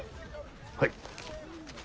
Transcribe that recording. はい。